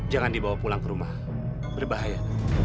jangan dibawa pulang ke rumah berbahaya